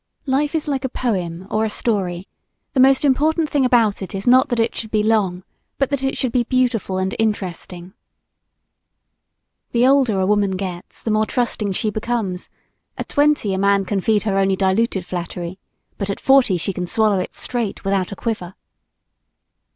Life is like a poem or a story; the most important thing about it is not that it should be long, but that it should be beautiful and interesting. The older a woman gets the more trusting she becomes; at twenty a man can feed her only diluted flattery; but at forty she can swallow it, straight, without a quiver.